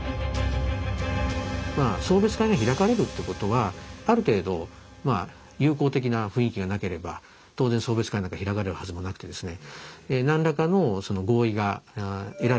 まあ送別会が開かれるってことはある程度友好的な雰囲気がなければ当然送別会なんか開かれるはずもなくてですね